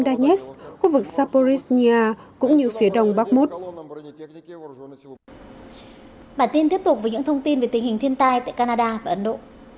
bản tin tiếp tục với những thông tin về tình hình thiên tai tại canada và ấn độ